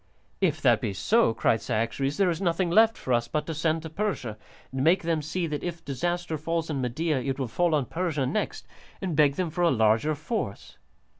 "If that be so," cried Cyaxares, "there is nothing left for us but to send to Persia, and make them see that if disaster falls on Media it will fall on Persia next, and beg them for a larger force."